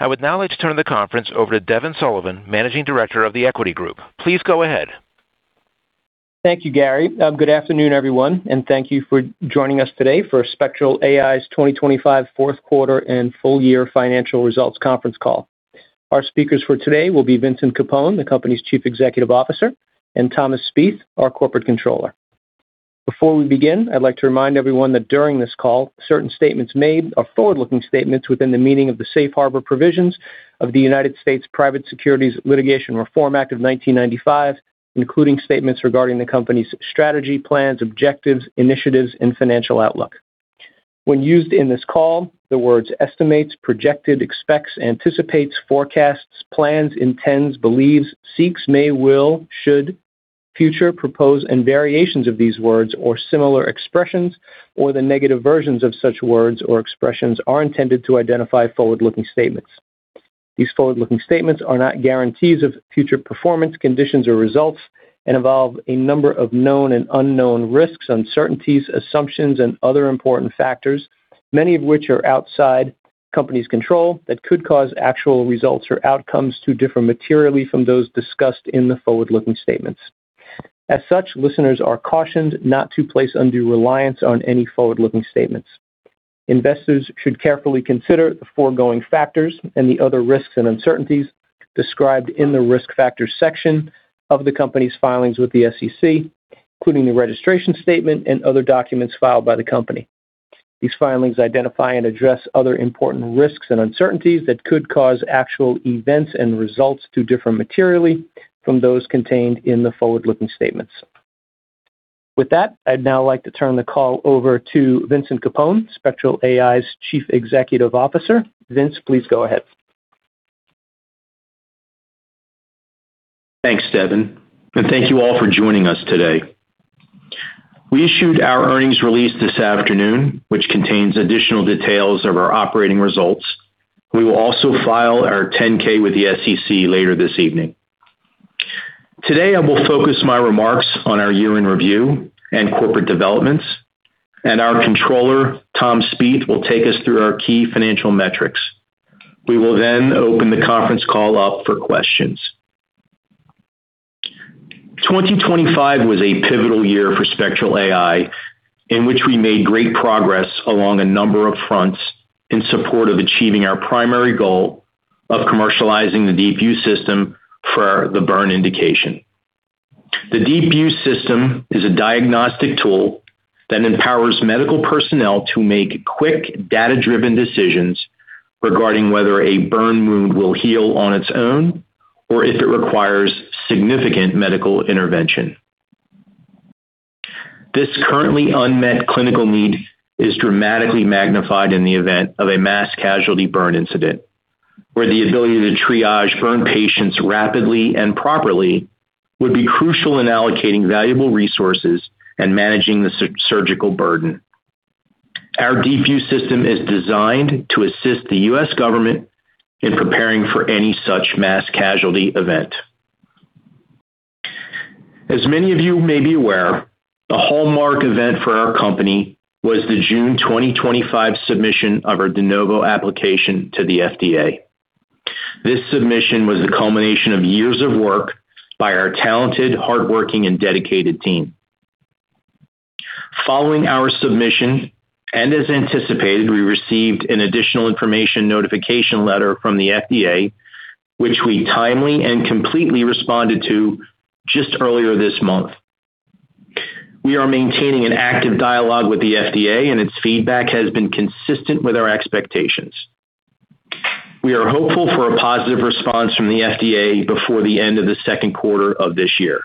I would now like to turn the conference over to Devin Sullivan, Managing Director of The Equity Group. Please go ahead. Thank you, Gary. Good afternoon, everyone, and thank you for joining us today for Spectral AI's 2025 fourth quarter and full year financial results conference call. Our speakers for today will be Vincent Capone, the company's Chief Executive Officer, and Thomas Spieth, our Corporate Controller. Before we begin, I'd like to remind everyone that during this call, certain statements made are forward-looking statements within the meaning of the Safe Harbor provisions of the United States Private Securities Litigation Reform Act of 1995, including statements regarding the company's strategy, plans, objectives, initiatives, and financial outlook. When used in this call, the words estimates, projected, expects, anticipates, forecasts, plans, intends, believes, seeks, may, will, should, future, propose, and variations of these words or similar expressions or the negative versions of such words or expressions are intended to identify forward-looking statements. These forward-looking statements are not guarantees of future performance, conditions, or results and involve a number of known and unknown risks, uncertainties, assumptions, and other important factors, many of which are outside the Company's control, that could cause actual results or outcomes to differ materially from those discussed in the forward-looking statements. As such, listeners are cautioned not to place undue reliance on any forward-looking statements. Investors should carefully consider the foregoing factors and the other risks and uncertainties described in the Risk Factors section of the Company's filings with the SEC, including the registration statement and other documents filed by the Company. These filings identify and address other important risks and uncertainties that could cause actual events and results to differ materially from those contained in the forward-looking statements. With that, I'd now like to turn the call over to Vincent Capone, Spectral AI's Chief Executive Officer. Vince, please go ahead. Thanks, Devin, and thank you all for joining us today. We issued our earnings release this afternoon, which contains additional details of our operating results. We will also file our 10-K with the SEC later this evening. Today, I will focus my remarks on our year-end review and corporate developments, and our Controller, Tom Spieth, will take us through our key financial metrics. We will then open the conference call up for questions. 2025 was a pivotal year for Spectral AI in which we made great progress along a number of fronts in support of achieving our primary goal of commercializing the DeepView system for the burn indication. The DeepView system is a diagnostic tool that empowers medical personnel to make quick, data-driven decisions regarding whether a burn wound will heal on its own or if it requires significant medical intervention. This currently unmet clinical need is dramatically magnified in the event of a mass casualty burn incident, where the ability to triage burn patients rapidly and properly would be crucial in allocating valuable resources and managing the surgical burden. Our DeepView System is designed to assist the U.S. government in preparing for any such mass casualty event. As many of you may be aware, the hallmark event for our company was the June 2025 submission of our De Novo application to the FDA. This submission was the culmination of years of work by our talented, hardworking, and dedicated team. Following our submission, and as anticipated, we received an additional information notification letter from the FDA, which we timely and completely responded to just earlier this month. We are maintaining an active dialogue with the FDA, and its feedback has been consistent with our expectations. We are hopeful for a positive response from the FDA before the end of the second quarter of this year.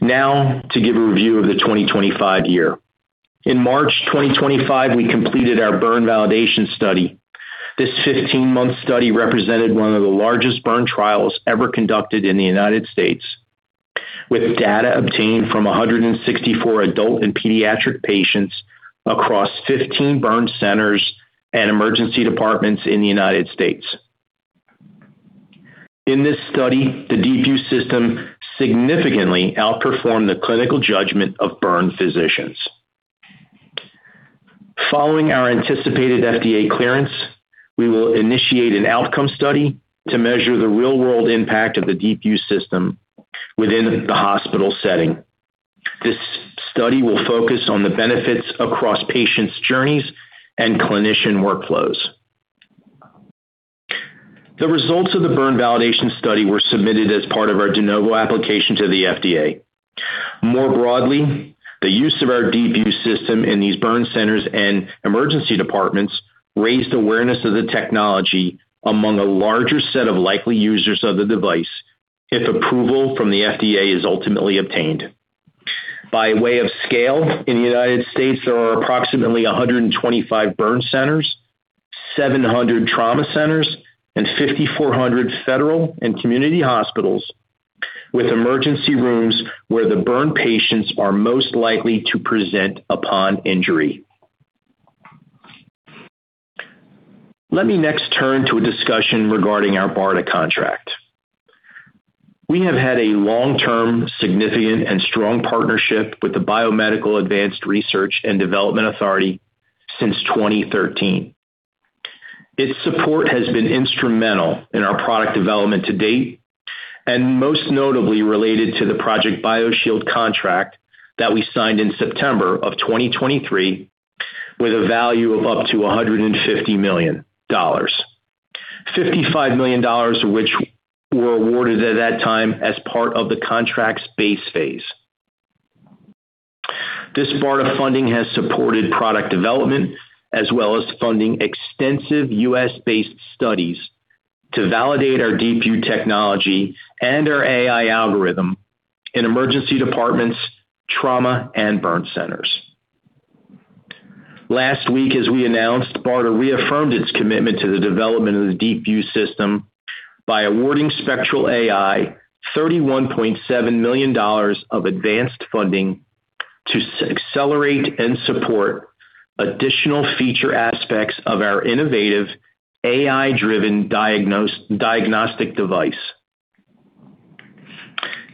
Now to give a review of the 2025 year. In March 2025, we completed our burn validation study. This 15-month study represented one of the largest burn trials ever conducted in the United States, with data obtained from 164 adult and pediatric patients across 15 burn centers and emergency departments in the United States. In this study, the DeepView system significantly outperformed the clinical judgment of burn physicians. Following our anticipated FDA clearance, we will initiate an outcome study to measure the real-world impact of the DeepView system within the hospital setting. This study will focus on the benefits across patients' journeys and clinician workflows. The results of the burn validation study were submitted as part of our De Novo application to the FDA. More broadly, the use of our DeepView System in these burn centers and emergency departments raised awareness of the technology among a larger set of likely users of the device if approval from the FDA is ultimately obtained. By way of scale, in the United States, there are approximately 125 burn centers, 700 trauma centers, and 5,400 federal and community hospitals with emergency rooms where the burn patients are most likely to present upon injury. Let me next turn to a discussion regarding our BARDA contract. We have had a long-term, significant, and strong partnership with the Biomedical Advanced Research and Development Authority since 2013. Its support has been instrumental in our product development to date, and most notably related to the Project BioShield contract that we signed in September of 2023 with a value of up to $150 million. $55 million, of which were awarded at that time as part of the contract's base phase. This BARDA funding has supported product development as well as funding extensive U.S.-based studies to validate our DeepView technology and our AI algorithm in emergency departments, trauma, and burn centers. Last week, as we announced, BARDA reaffirmed its commitment to the development of the DeepView system by awarding Spectral AI $31.7 million of advanced funding to accelerate and support additional feature aspects of our innovative AI-driven diagnostic device.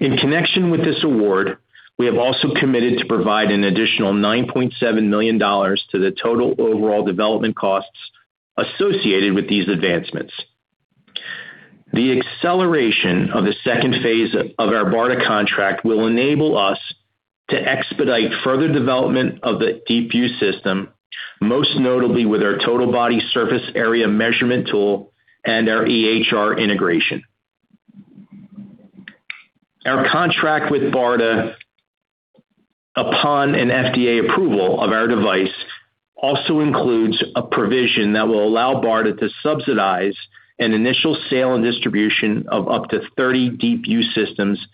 In connection with this award, we have also committed to provide an additional $9.7 million to the total overall development costs associated with these advancements. The acceleration of the second phase of our BARDA contract will enable us to expedite further development of the DeepView System, most notably with our total body surface area measurement tool and our EHR integration. Our contract with BARDA, upon an FDA approval of our device, also includes a provision that will allow BARDA to subsidize an initial sale and distribution of up to 30 DeepView Systems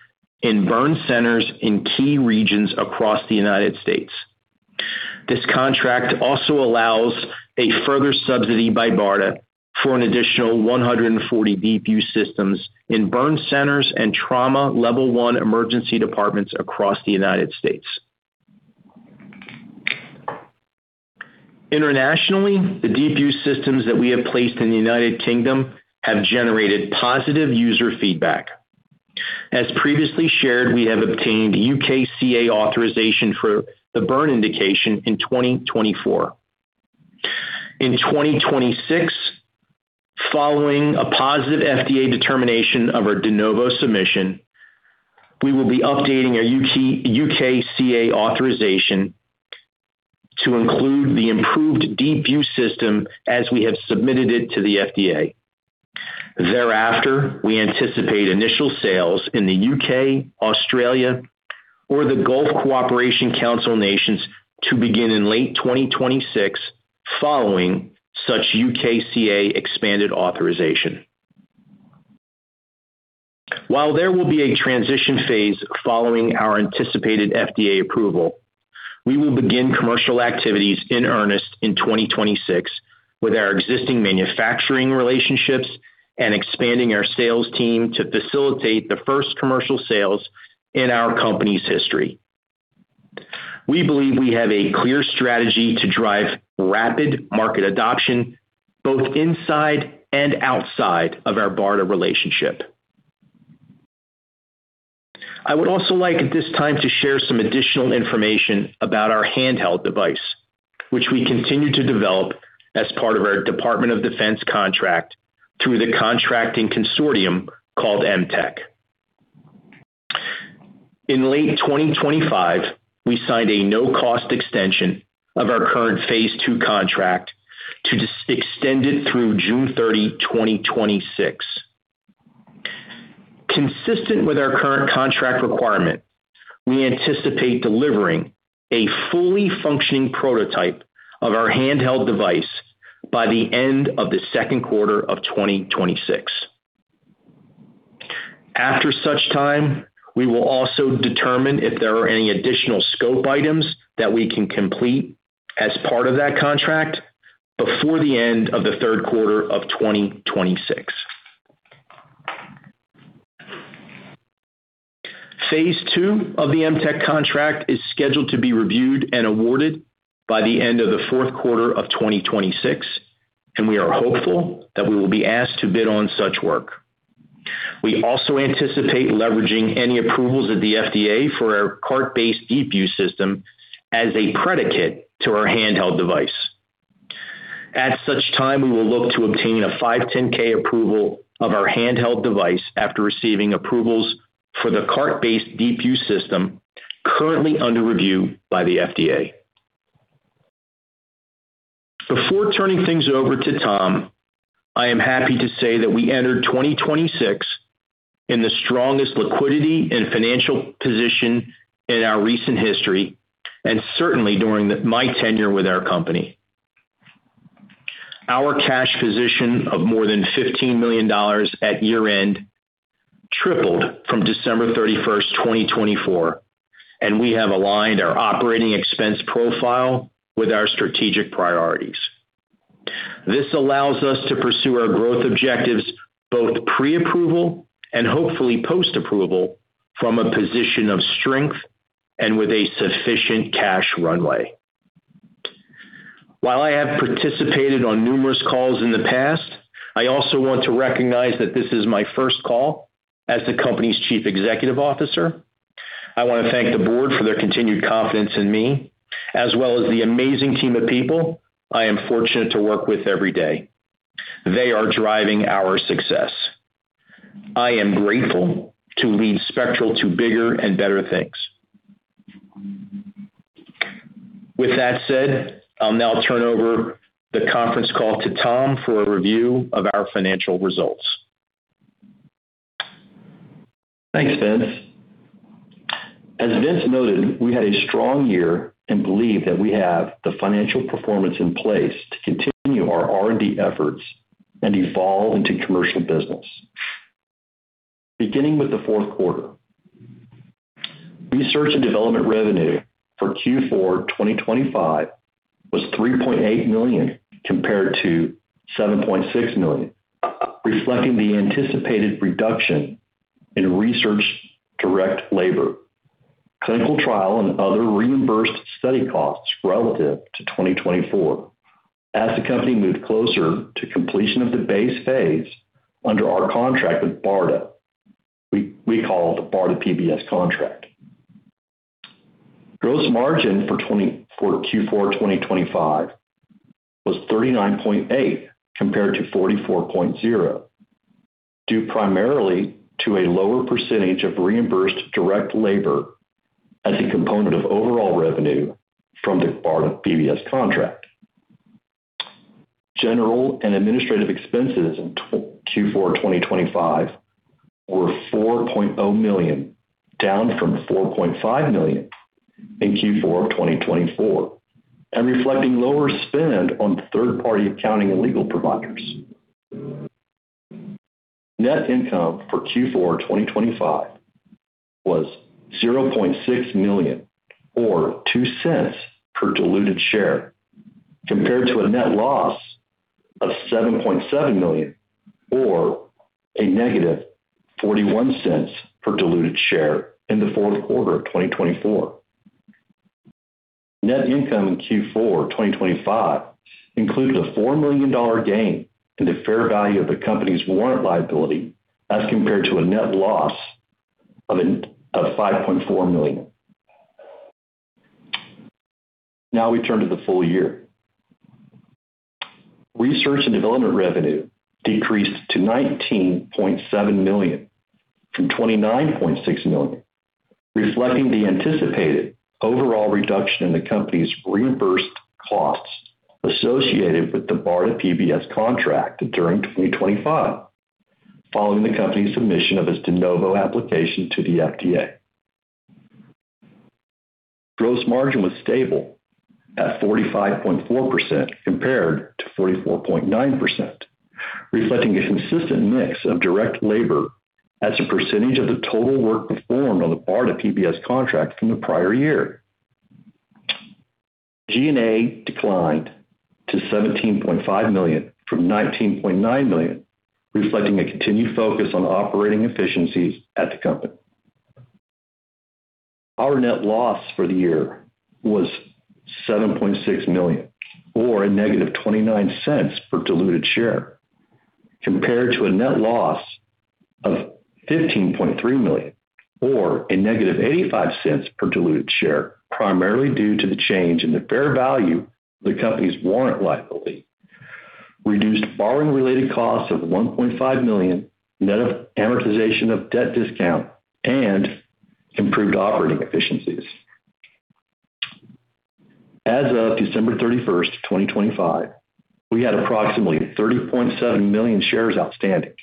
in burn centers in key regions across the United States. This contract also allows a further subsidy by BARDA for an additional 140 DeepView Systems in burn centers and trauma level 1 emergency departments across the United States. Internationally, the DeepView Systems that we have placed in the United Kingdom have generated positive user feedback. As previously shared, we have obtained UKCA authorization for the burn indication in 2024. In 2026, following a positive FDA determination of our De Novo submission, we will be updating our UKCA authorization to include the improved DeepView system as we have submitted it to the FDA. Thereafter, we anticipate initial sales in the U.K., Australia, or the Gulf Cooperation Council nations to begin in late 2026 following such UKCA expanded authorization. While there will be a transition phase following our anticipated FDA approval, we will begin commercial activities in earnest in 2026 with our existing manufacturing relationships and expanding our sales team to facilitate the first commercial sales in our company's history. We believe we have a clear strategy to drive rapid market adoption both inside and outside of our BARDA relationship. I would also like at this time to share some additional information about our handheld device, which we continue to develop as part of our Department of Defense contract through the contracting consortium called MTEC. In late 2025, we signed a no-cost extension of our current phase II contract to just extend it through June 30, 2026. Consistent with our current contract requirement, we anticipate delivering a fully functioning prototype of our handheld device by the end of the second quarter of 2026. After such time, we will also determine if there are any additional scope items that we can complete as part of that contract before the end of the third quarter of 2026. Phase II of the MTEC contract is scheduled to be reviewed and awarded by the end of the fourth quarter of 2026, and we are hopeful that we will be asked to bid on such work. We also anticipate leveraging any approvals of the FDA for our cart-based DeepView system as a predicate to our handheld device. At such time, we will look to obtain a 510(k) approval of our handheld device after receiving approvals for the cart-based DeepView system currently under review by the FDA. Before turning things over to Tom, I am happy to say that we entered 2026 in the strongest liquidity and financial position in our recent history, and certainly during my tenure with our company. Our cash position of more than $15 million at year-end tripled from December 31st, 2024, and we have aligned our operating expense profile with our strategic priorities. This allows us to pursue our growth objectives both pre-approval and hopefully post-approval from a position of strength and with a sufficient cash runway. While I have participated on numerous calls in the past, I also want to recognize that this is my first call as the company's Chief Executive Officer. I want to thank the board for their continued confidence in me, as well as the amazing team of people I am fortunate to work with every day. They are driving our success. I am grateful to lead Spectral to bigger and better things. With that said, I'll now turn over the conference call to Tom for a review of our financial results. Thanks, Vince. As Vince noted, we had a strong year and believe that we have the financial performance in place to continue our R&D efforts and evolve into commercial business. Beginning with the fourth quarter, research and development revenue for Q4 2025 was $3.8 million compared to $7.6 million, reflecting the anticipated reduction in research direct labor, clinical trial, and other reimbursed study costs relative to 2024 as the company moved closer to completion of the base phase under our contract with BARDA. We call it the BARDA PBS contract. Gross margin for Q4 2025 was 39.8% compared to 44.0%, due primarily to a lower percentage of reimbursed direct labor as a component of overall revenue from the BARDA PBS contract. General and administrative expenses in Q4 2025 were $4.0 million, down from $4.5 million in Q4 2024 and reflecting lower spend on third-party accounting and legal providers. Net income for Q4 2025 was $0.6 million or $0.02 per diluted share, compared to a net loss of $7.7 million or nagative $0.41 per diluted share in the fourth quarter of 2024. Net income in Q4 2025 included a $4 million gain in the fair value of the company's warrant liability as compared to a net loss of $5.4 million. Now we turn to the full year. Research and development revenue decreased to $19.7 million from $29.6 million, reflecting the anticipated overall reduction in the company's reimbursed costs associated with the BARDA PBS contract during 2025, following the company's submission of its De Novo application to the FDA. Gross margin was stable at 45.4% compared to 44.9%, reflecting a consistent mix of direct labor as a percentage of the total work performed on the BARDA PBS contract from the prior year. G&A declined to $17.5 million from $19.9 million, reflecting a continued focus on operating efficiencies at the company. Our net loss for the year was $7.6 million or negative $0.29 per diluted share, compared to a net loss of $15.3 million or negative $0.85 per diluted share, primarily due to the change in the fair value of the company's warrant liability, reduced borrowing-related costs of $1.5 million, net amortization of debt discount, and improved operating efficiencies. As of December 31st, 2025, we had approximately 30.7 million shares outstanding.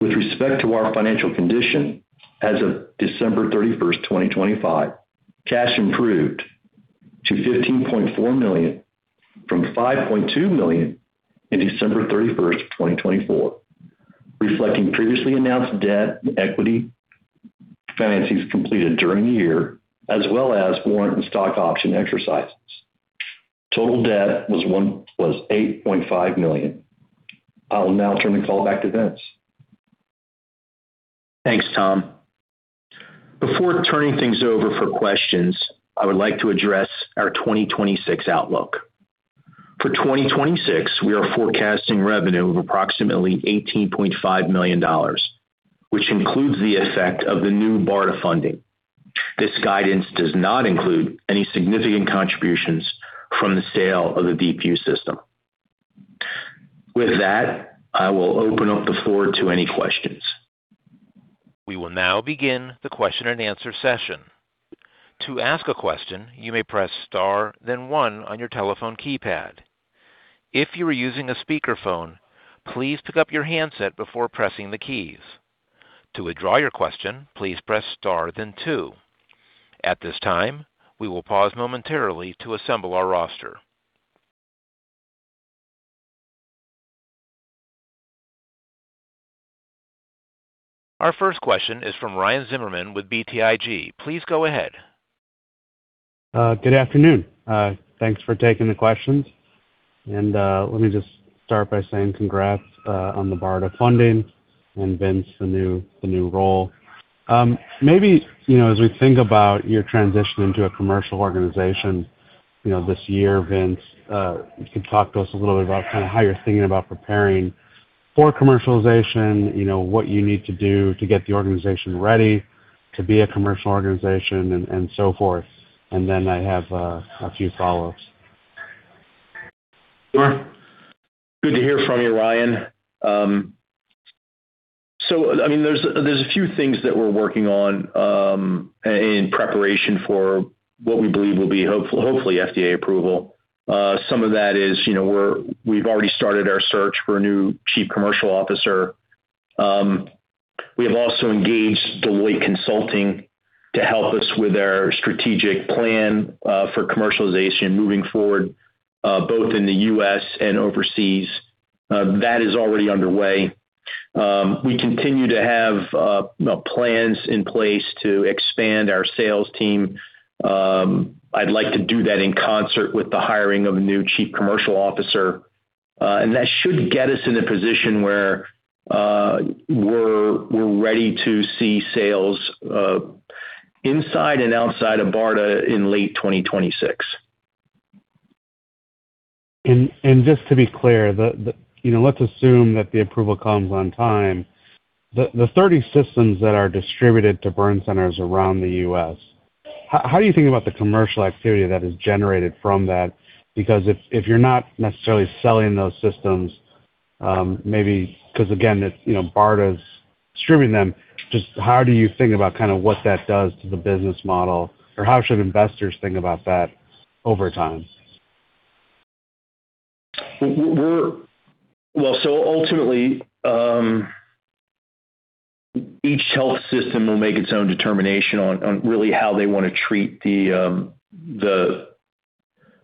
With respect to our financial condition, as of December 31st, 2025, cash improved to $15.4 million from $5.2 million at December 31st, 2024, reflecting previously announced debt and equity financings completed during the year as well as warrant and stock option exercises. Total debt was $8.5 million. I will now turn the call back to Vince. Thanks, Tom. Before turning things over for questions, I would like to address our 2026 outlook. For 2026, we are forecasting revenue of approximately $18.5 million, which includes the effect of the new BARDA funding. This guidance does not include any significant contributions from the sale of the DeepView system. With that, I will open up the floor to any questions. We will now begin the question-and-answer session. To ask a question, you may press star then one on your telephone keypad. If you are using a speakerphone, please pick up your handset before pressing the keys. To withdraw your question, please press star then two. At this time, we will pause momentarily to assemble our roster. Our first question is from Ryan Zimmerman with BTIG. Please go ahead. Good afternoon. Thanks for taking the questions. Let me just start by saying congrats on the BARDA funding and Vince, the new role. Maybe, you know, as we think about your transition into a commercial organization, you know, this year, Vince, you can talk to us a little bit about kind of how you're thinking about preparing for commercialization, you know, what you need to do to get the organization ready to be a commercial organization and so forth. I have a few follow-ups. Sure. Good to hear from you, Ryan. I mean, there's a few things that we're working on in preparation for what we believe will be hopefully FDA approval. Some of that is, you know, we've already started our search for a new Chief Commercial Officer. We have also engaged Deloitte Consulting to help us with our strategic plan for commercialization moving forward, both in the U.S. and overseas. That is already underway. We continue to have plans in place to expand our sales team. I'd like to do that in concert with the hiring of a new Chief Commercial Officer. That should get us in a position where we're ready to see sales inside and outside of BARDA in late 2026. Just to be clear, you know, let's assume that the approval comes on time. The 30 systems that are distributed to burn centers around the U.S., how do you think about the commercial activity that is generated from that? Because if you're not necessarily selling those systems, maybe because again, it's, you know, BARDA's distributing them, just how do you think about kinda what that does to the business model, or how should investors think about that over time? Ultimately, each health system will make its own determination on really how they want to treat the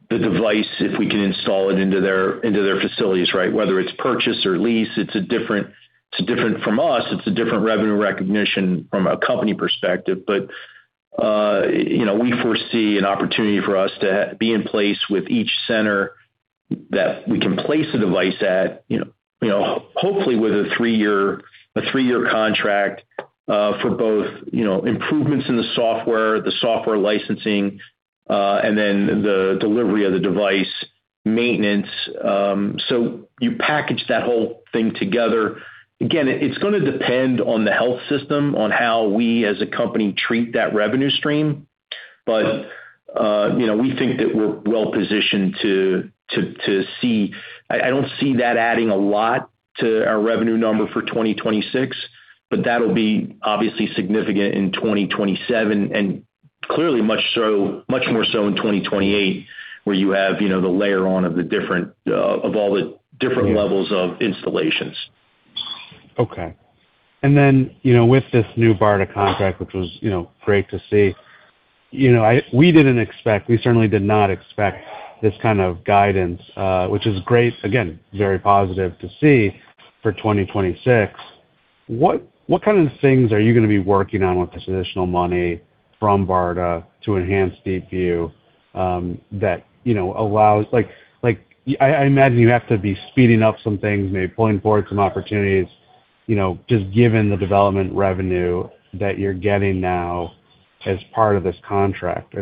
device if we can install it into their facilities, right? Whether it's purchase or lease, it's different for us, it's a different revenue recognition from a company perspective. You know, we foresee an opportunity for us to be in place with each center that we can place a device at, you know, hopefully with a three-year contract for both, you know, improvements in the software, the software licensing, and then the delivery of the device maintenance. You package that whole thing together. Again, it's going to depend on the health system on how we as a company treat that revenue stream. You know, we think that we're well-positioned to see. I don't see that adding a lot to our revenue number for 2026, but that'll be obviously significant in 2027, and clearly much more so in 2028, where you have, you know, the layering on of all the different levels of installations. Okay. Then, you know, with this new BARDA contract, which was, you know, great to see, you know, we didn't expect, we certainly did not expect this kind of guidance, which is great, again, very positive to see for 2026. What kind of things are you going to be working on with this additional money from BARDA to enhance DeepView, that, you know, allows like I imagine you have to be speeding up some things, maybe pulling forward some opportunities, you know, just given the development revenue that you're getting now as part of this contract.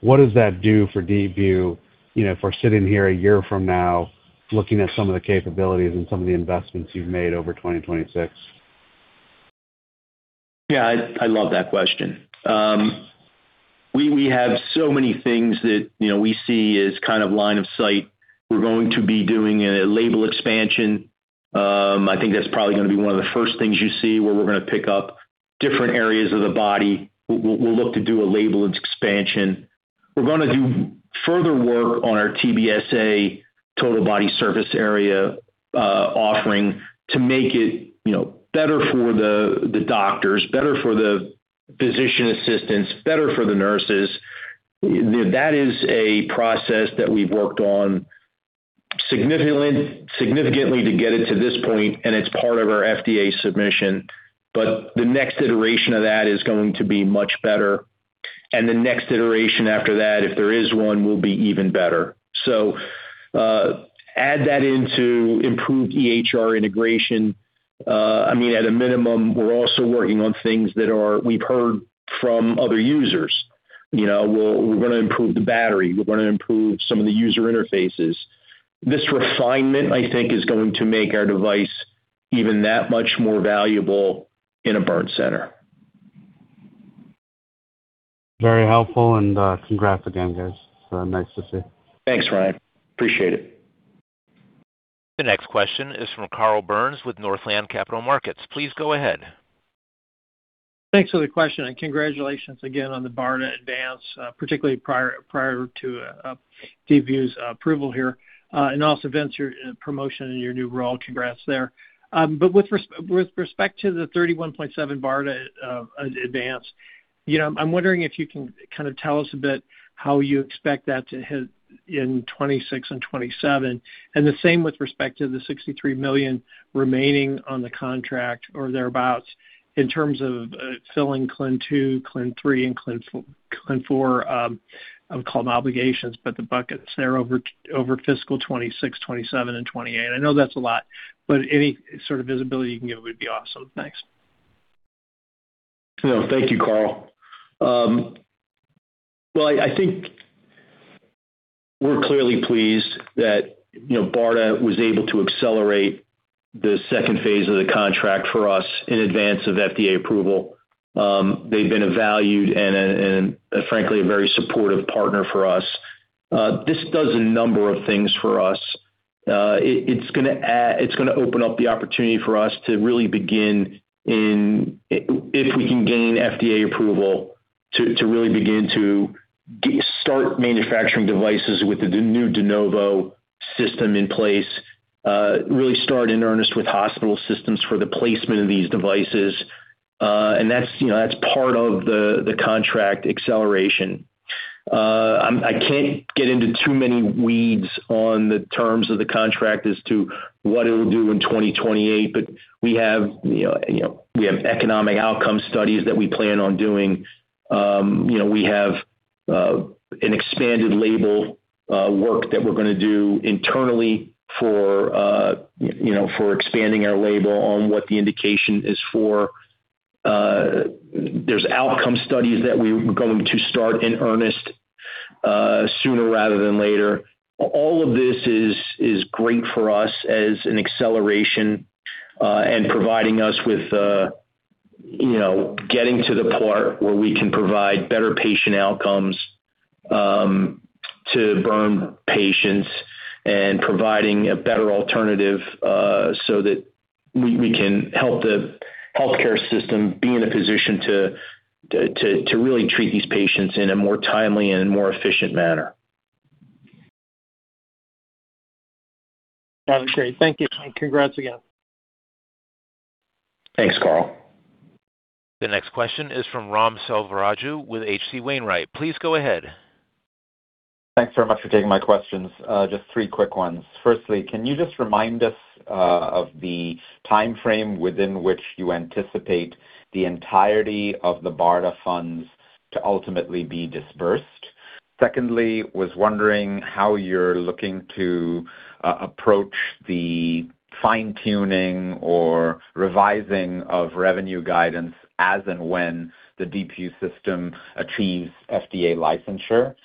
What does that do for DeepView, you know, if we're sitting here a year from now looking at some of the capabilities and some of the investments you've made over 2026? Yeah. I love that question. We have so many things that, you know, we see as kind of line of sight. We're going to be doing a label expansion. I think that's probably going to be one of the first things you see where we're going to pick up different areas of the body. We'll look to do a label expansion. We're going to do further work on our TBSA, total body surface area, offering to make it, you know, better for the doctors, better for the physician assistants, better for the nurses. That is a process that we've worked on significantly to get it to this point, and it's part of our FDA submission. The next iteration of that is going to be much better. The next iteration after that, if there is one, will be even better. Add that into improved EHR integration. I mean, at a minimum, we're also working on things we've heard from other users. You know, we're going to improve the battery. We're going to improve some of the user interfaces. This refinement, I think, is going to make our device even that much more valuable in a burn center. Very helpful and congrats again, guys. Nice to see. Thanks, Ryan. I appreciate it. The next question is from Carl Byrnes with Northland Capital Markets. Please go ahead. Thanks for the question, and congratulations again on the BARDA advance, particularly prior to DeepView's approval here. Also Vince, your promotion and your new role, congrats there. With respect to the $31.7 BARDA advance, you know, I'm wondering if you can kind of tell us a bit how you expect that to hit in 2026 and 2027, and the same with respect to the $63 million remaining on the contract or thereabout in terms of filling CLIN 2, CLIN 3, and Clin 4 I would call them obligations, but the buckets, they're over fiscal 2026, 2027 and 2028. I know that's a lot, but any sort of visibility you can give would be awesome. Thanks. No, thank you, Carl. Well, I think we're clearly pleased that, you know, BARDA was able to accelerate the second phase of the contract for us in advance of FDA approval. They've been a valued and frankly a very supportive partner for us. This does a number of things for us. It's going to open up the opportunity for us. If we can gain FDA approval to really begin to start manufacturing devices with the new De Novo system in place, really start in earnest with hospital systems for the placement of these devices. That's, you know, part of the contract acceleration. I can't get into too many weeds on the terms of the contract as to what it'll do in 2028. We have, you know, we have economic outcome studies that we plan on doing. You know, we have an expanded label work that we're going to do internally you know, for expanding our label on what the indication is for. There's outcome studies that we're going to start in earnest sooner rather than later. All of this is great for us as an acceleration and providing us with, you know, getting to the part where we can provide better patient outcomes to burn patients and providing a better alternative so that we can help the healthcare system be in a position to really treat these patients in a more timely and more efficient manner. That was great. Thank you. Congrats again. Thanks, Carl. The next question is from Ram Selvaraju with H.C. Wainwright. Please go ahead. Thanks very much for taking my questions. Just three quick ones. Firstly, can you just remind us of the timeframe within which you anticipate the entirety of the BARDA funds to ultimately be disbursed? Secondly, was wondering how you're looking to approach the fine-tuning or revising of revenue guidance as and when the DeepView system achieves FDA licensure.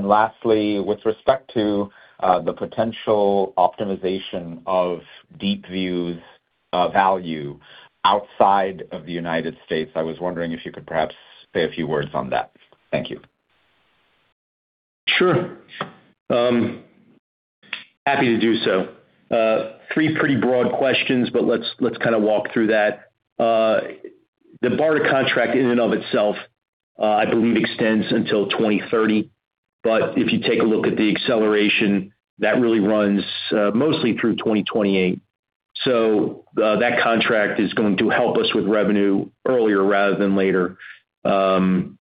Lastly, with respect to the potential optimization of DeepView's value outside of the United States, I was wondering if you could perhaps say a few words on that. Thank you. Sure. Happy to do so. Three pretty broad questions, but let's kind of walk through that. The BARDA contract in and of itself, I believe extends until 2030. If you take a look at the acceleration, that really runs mostly through 2028. That contract is going to help us with revenue earlier rather than later. You know,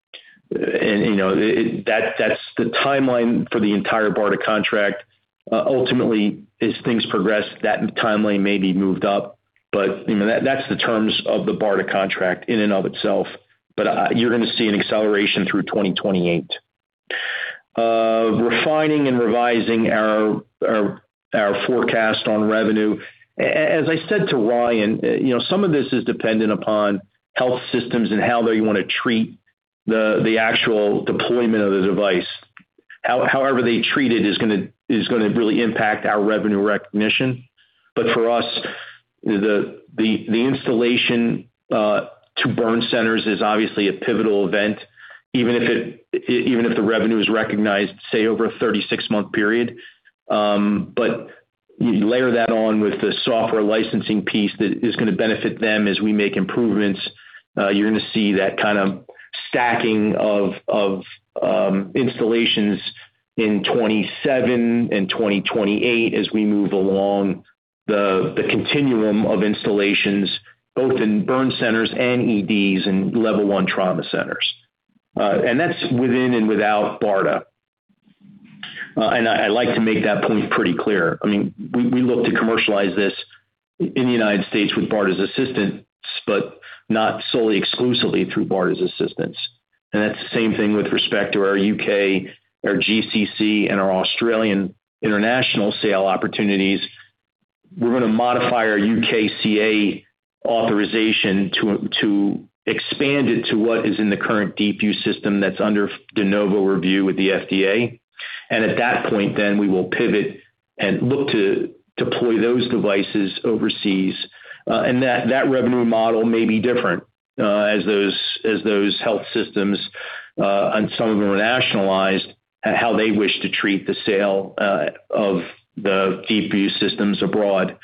it. That's the timeline for the entire BARDA contract. Ultimately, as things progress, that timeline may be moved up, but you know, that's the terms of the BARDA contract in and of itself. You're going to see an acceleration through 2028. Refining and revising our forecast on revenue. As I said to Ryan, you know, some of this is dependent upon health systems and how they want to treat the actual deployment of the device. However they treat it is going to really impact our revenue recognition. For us, the installation to burn centers is obviously a pivotal event, even if the revenue is recognized, say, over a 36-month period. You layer that on with the software licensing piece that is going to benefit them as we make improvements, you're going to see that kind of stacking of installations in 2027 and 2028 as we move along the continuum of installations both in burn centers and EDs and level 1 trauma centers. That's within and without BARDA. I like to make that point pretty clear. I mean, we look to commercialize this in the United States with BARDA's assistance, but not solely exclusively through BARDA's assistance. That's the same thing with respect to our U.K., our GCC, and our Australian international sale opportunities. We're going to modify our UKCA authorization to expand it to what is in the current DeepView system that's under De Novo review with the FDA. At that point, we will pivot and look to deploy those devices overseas. That revenue model may be different as those health systems and some of them are nationalized, how they wish to treat the sale of the DeepView systems abroad.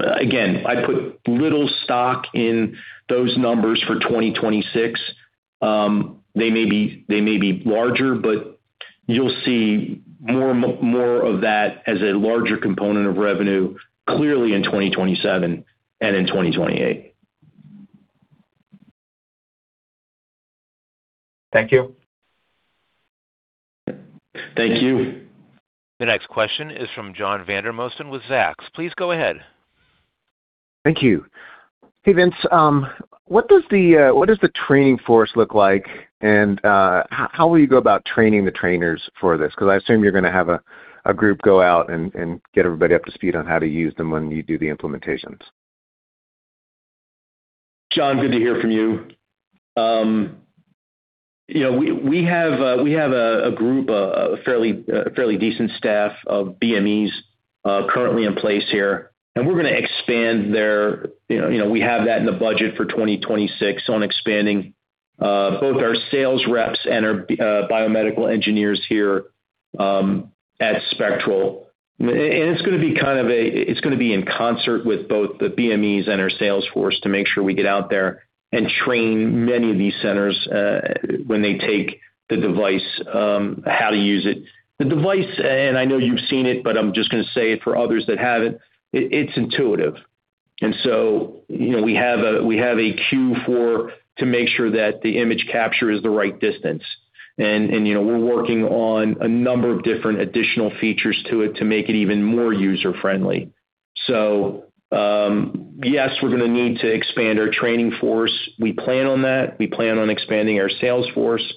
Again, I put little stock in those numbers for 2026. They may be larger, but you'll see more of that as a larger component of revenue clearly in 2027 and in 2028. Thank you. Thank you. The next question is from John Vandermosten with Zacks. Please go ahead. Thank you. Hey, Vince. What does the training force look like and how will you go about training the trainers for this? Because I assume you're going to have a group go out and get everybody up to speed on how to use them when you do the implementations. John, good to hear from you. You know, we have a group, a fairly decent staff of BMEs currently in place here, and we're going to expand. You know, we have that in the budget for 2026 on expanding both our sales reps and our biomedical engineers here at Spectral. It's going to be in concert with both the BMEs and our sales force to make sure we get out there and train many of these centers when they take the device how to use it. The device, and I know you've seen it, but I'm just going to say it for others that haven't, it's intuitive. You know, we have a queue to make sure that the image capture is the right distance. You know, we're working on a number of different additional features to it to make it even more user-friendly. Yes, we're going to need to expand our training force. We plan on that. We plan on expanding our sales force.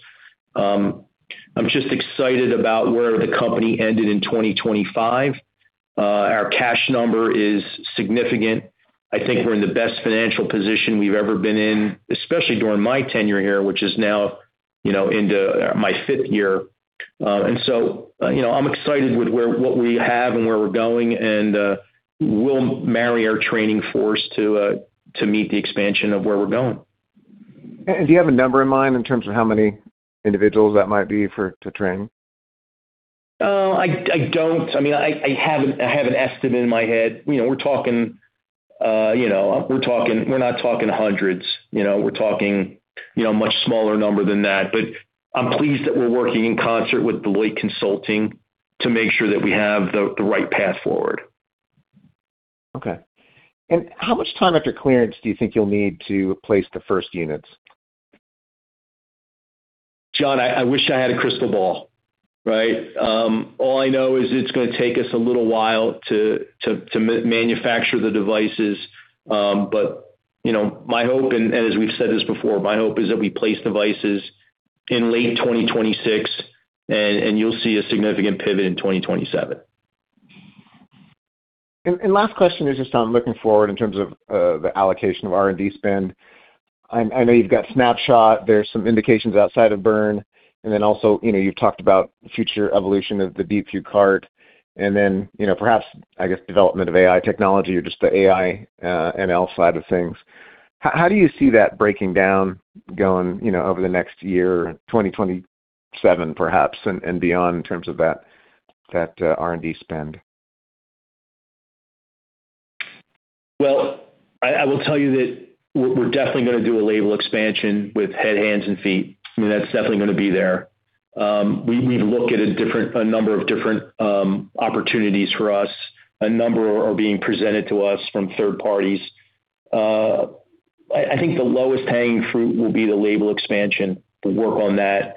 I'm just excited about where the company ended in 2025. Our cash number is significant. I think we're in the best financial position we've ever been in, especially during my tenure here, which is now, you know, into my fifth year. You know, I'm excited with what we have and where we're going and we'll marry our training force to meet the expansion of where we're going. Do you have a number in mind in terms of how many individuals that might be to train? I don't. I mean, I have an estimate in my head. You know, we're talking. We're not talking hundreds. You know, we're talking much smaller number than that. But I'm pleased that we're working in concert with Deloitte Consulting to make sure that we have the right path forward. Okay. How much time after clearance do you think you'll need to place the first units? John, I wish I had a crystal ball, right? All I know is it's going to take us a little while to manufacture the devices. But you know, my hope and as we've said this before, my hope is that we place devices in late 2026 and you'll see a significant pivot in 2027. Last question is just on looking forward in terms of the allocation of R&D spend. I know you've got Snapshot. There's some indications outside of burn. Then also, you know, you've talked about future evolution of the DeepView cart, and then, you know, perhaps, I guess, development of AI technology or just the AI, ML side of things. How do you see that breaking down going, you know, over the next year, 2027 perhaps, and beyond in terms of that R&D spend? Well, I will tell you that we're definitely going to do a label expansion with head, hands, and feet. I mean, that's definitely going to be there. We look at a number of different opportunities for us. A number are being presented to us from third parties. I think the lowest hanging fruit will be the label expansion, the work on that.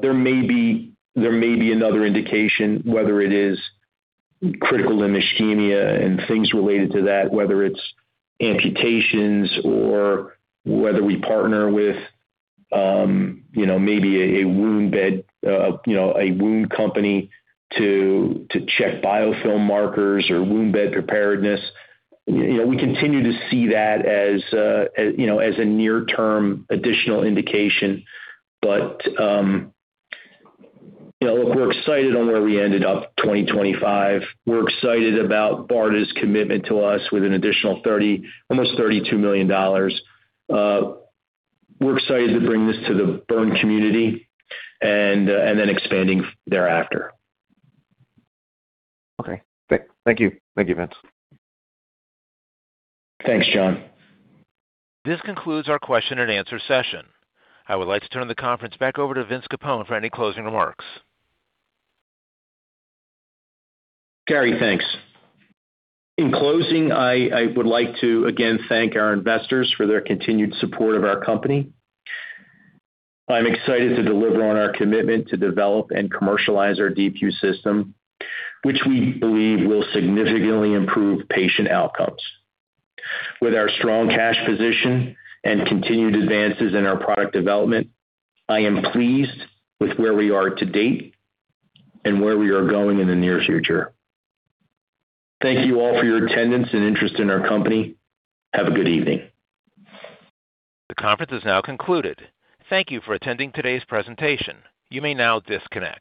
There may be another indication whether it is critical limb ischemia and things related to that, whether it's amputations or whether we partner with you know, maybe a wound company to check biofilm markers or wound bed preparedness. You know, we continue to see that as you know, as a near-term additional indication. But you know, look, we're excited on where we ended up 2025. We're excited about BARDA's commitment to us with an additional almost $32 million. We're excited to bring this to the burn community and then expanding thereafter. Okay. Thank you. Thank you, Vince. Thanks, John. This concludes our question-and-answer session. I would like to turn the conference back over to Vince Capone for any closing remarks. Gary, thanks. In closing, I would like to again thank our investors for their continued support of our company. I'm excited to deliver on our commitment to develop and commercialize our DeepView system, which we believe will significantly improve patient outcomes. With our strong cash position and continued advances in our product development, I am pleased with where we are to date and where we are going in the near future. Thank you all for your attendance and interest in our company. Have a good evening. The conference is now concluded. Thank you for attending today's presentation. You may now disconnect.